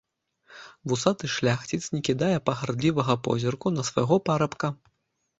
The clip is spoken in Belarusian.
Вусаты шляхціц не кідае пагардлівага позірку на свайго парабка.